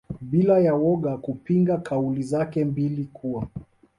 bila ya woga kupinga kauli zake mbili kuwa